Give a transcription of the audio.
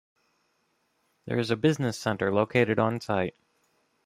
There is a business center located on site.